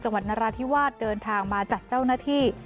นราธิวาสเดินทางมาจัดเจ้าหน้าที่